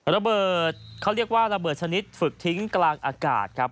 ระเบิดเขาเรียกว่าระเบิดชนิดฝึกทิ้งกลางอากาศครับ